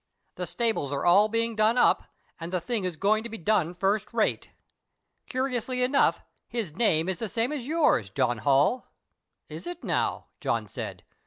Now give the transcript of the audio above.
The stables are all being done up, and the thing is going to be done first rate. Curiously enough his name is the same as yours, John Holl." "Is it, now?" John said.